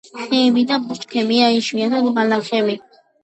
ხეები და ბუჩქებია, იშვიათად ბალახები.